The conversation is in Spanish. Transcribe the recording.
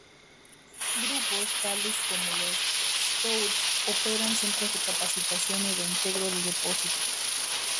Grupos tales como los Scouts operan centros de captación y reintegro de depósitos.